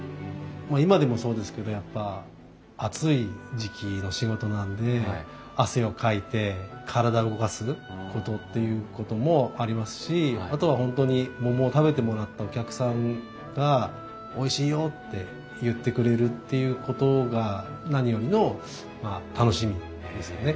今でもそうですけどやっぱ暑い時期の仕事なので汗をかいて体を動かすことっていうこともありますしあとは本当に桃を食べてもらったお客さんがおいしいよって言ってくれるっていうことが何よりの楽しみですよね。